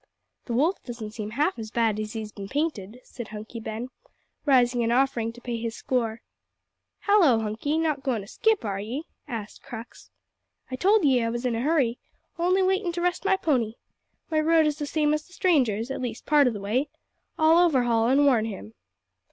"The wolf doesn't seem half as bad as he's bin painted," said Hunky Ben, rising and offering to pay his score. "Hallo, Hunky not goin' to skip, are ye?" asked Crux. "I told ye I was in a hurry. Only waitin' to rest my pony. My road is the same as the stranger's, at least part o' the way. I'll overhaul an' warn him."